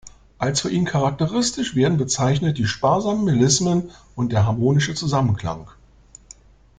Als für ihn charakteristisch werden bezeichnet die „sparsamen Melismen und der harmonische Zusammenklang“.